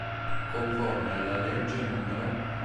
Conforme alla legge nr.